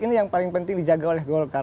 ini yang paling penting dijaga oleh golkar